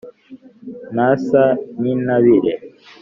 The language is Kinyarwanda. Ntasa n'intabire